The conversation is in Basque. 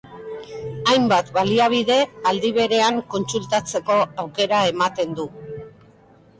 Hainbat baliabide aldi berean kontsultatzeko aukera ematen du.